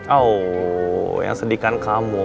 aw yang sedihkan kamu